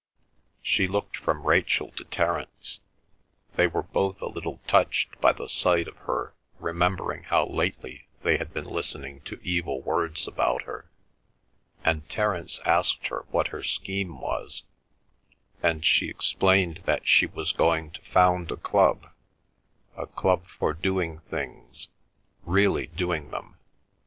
She looked from Rachel to Terence. They were both a little touched by the sight of her remembering how lately they had been listening to evil words about her, and Terence asked her what her scheme was, and she explained that she was going to found a club—a club for doing things, really doing them.